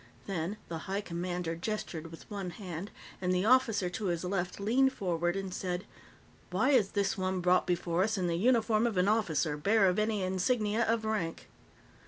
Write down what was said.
Then the High Commander gestured with one hand, and the officer to his left leaned forward and said: "Why is this one brought before us in the uniform of an officer, bare of any insignia of rank?"